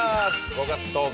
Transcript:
５月１０日